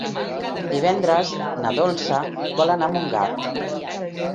Divendres na Dolça vol anar a Montgat.